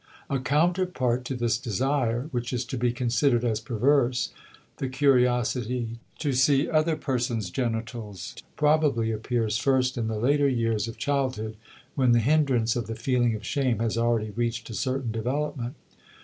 A counterpart to this desire which is to be considered as perverse, the curiosity to see other persons' genitals, probably appears first in the later years of childhood when the hindrance of the feeling of shame has already reached a certain development.